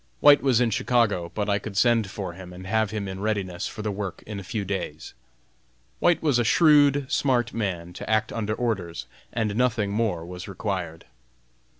White was in Chicago, but I could send for him and have him in readiness for the work in a few days. White was a shrewd, smart man to act under orders, and nothing more was required.